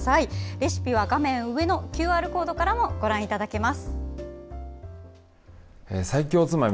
レシピは画面上のＱＲコードでもご覧になれます。